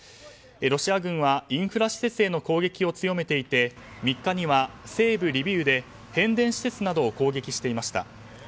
ロシア軍はインフラ施設への攻撃を強めていて３日には西部リビウで変電施設などを攻撃していました。